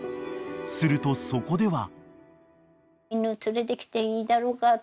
［するとそこでは］